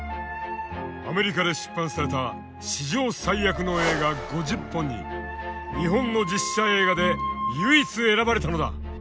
アメリカで出版された「史上最悪の映画５０本」に日本の実写映画で唯一選ばれたのだ。